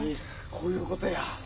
こういうことや。